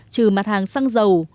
trừ mặt hàng xăng dầu